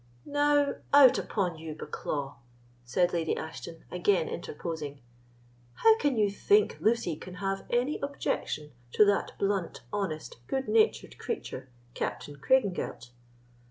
"Now, out upon you, Bucklaw," said Lady Ashton, again interposing; "how can you think Lucy can have any objection to that blunt, honest, good natured creature, Captain Craigengelt?"